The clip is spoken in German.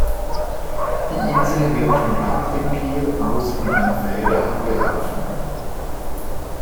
Die Insel wird vom Bantry Pier aus von einer Fähre angelaufen.